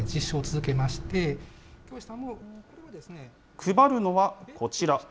配るのはこちら。